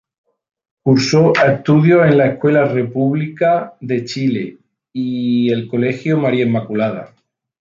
Cursó estudios en la Escuela República de Chile y el Colegio María Inmaculada.